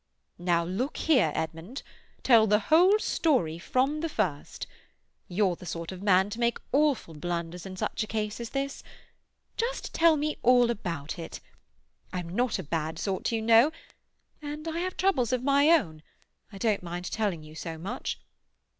"Now look here, Edmund. Tell the whole story from the first. You're the sort of man to make awful blunders in such a case as this. Just tell me all about it. I'm not a bad sort, you know, and I have troubles of my own—I don't mind telling you so much.